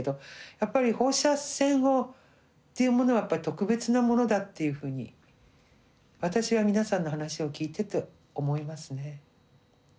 やっぱり放射線というものはやっぱり特別なものだというふうに私は皆さんの話を聞いてて思いますね。